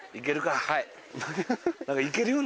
はい。